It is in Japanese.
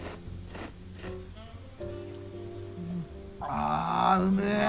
ああうめぇ。